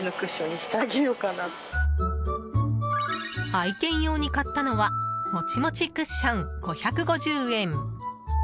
愛犬用に買ったのはもちもちクッション、５５０円。